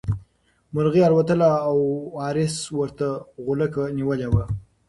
مرغۍ الوتله او وارث ورته غولکه نیولې وه.